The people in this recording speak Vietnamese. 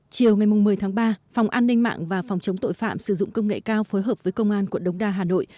chiều ngày một mươi tháng ba phòng an ninh mạng và phòng chống tội phạm sử dụng công nghệ cao phối hợp với công an quận đống đa hà nội